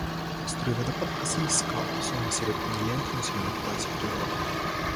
Струи водопада касались скал, словно серебряные ленты на зеленом платье природы.